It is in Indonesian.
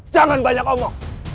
jangan banyak omong